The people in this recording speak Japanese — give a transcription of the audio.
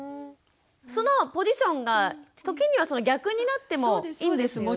そのポジションが時には逆になってもいいんですよね。